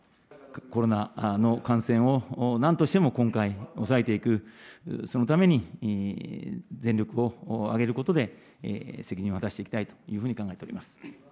コロナの感染をなんとしても今回、抑えていく、そのために、全力を挙げることで、責任を果たしていきたいというふうに考えております。